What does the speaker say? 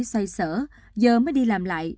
xoay sở giờ mới đi làm lại